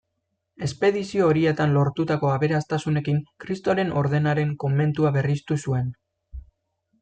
Espedizio horietan lortutako aberastasunekin Kristoren Ordenaren komentua berriztu zuen.